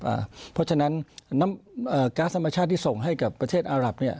เพราะฉะนั้นน้ำก๊าซธรรมชาติที่ส่งให้กับประเทศอารับเนี่ย